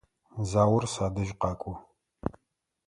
Заур садэжь къэкӏо.